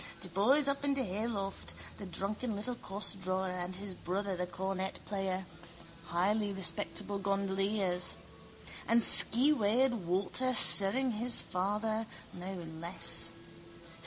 De boys up in de hayloft. The drunken little costdrawer and his brother, the cornet player. Highly respectable gondoliers! And skeweyed Walter sirring his father, no less!